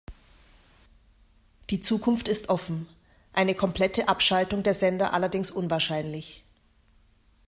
Die Zukunft ist offen, eine komplette Abschaltung der Sender allerdings unwahrscheinlich.